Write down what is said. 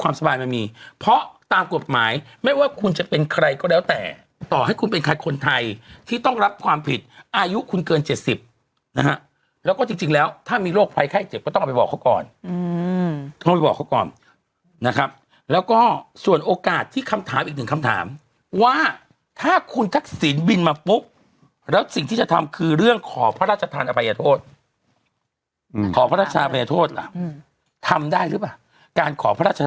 ไม่มีเพราะตามกฎหมายไม่ว่าคุณจะเป็นใครก็แล้วแต่ต่อให้คุณเป็นใครคนไทยที่ต้องรับความผิดอายุคุณเกินเจ็ดสิบนะฮะแล้วก็จริงจริงแล้วถ้ามีโรคไฟไข้เจ็บก็ต้องเอาไปบอกเขาก่อนอืมต้องไปบอกเขาก่อนนะครับแล้วก็ส่วนโอกาสที่คำถามอีกหนึ่งคำถามว่าถ้าคุณทักษิณบินมาปุ๊บแล้วสิ่งที่จะทำค